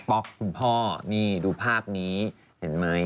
๊อกคุณพ่อนี่ดูภาพนี้เห็นไหม